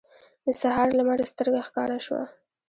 د سهار لمر سترګه ښکاره شوه.